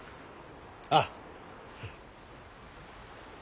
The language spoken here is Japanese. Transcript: ああ。